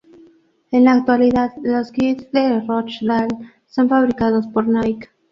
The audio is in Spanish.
En la actualidad los kits de Rochdale son fabricados por Nike.